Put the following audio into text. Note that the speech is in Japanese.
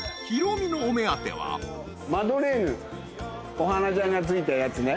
お花ちゃんがついたやつね。